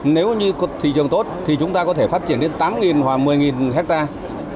nếu như thị trường tốt thì chúng ta có thể phát triển đến tám hoặc một mươi hectare